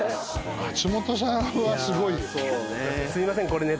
松本さんはすごい。